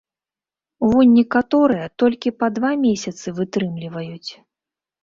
Вунь некаторыя толькі па два месяцы вытрымліваюць.